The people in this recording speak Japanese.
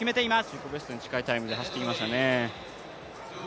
自己ベストに近いタイムで走ってきましたね。